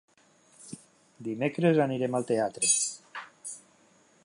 Dimecres anirem al teatre.